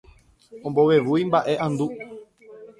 Ombovevúi mba'e'andu.